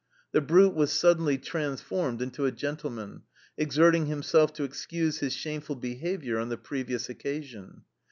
The brute was suddenly transformed into a gentleman, exerting himself to excuse his shameful behavior on the previous occasion.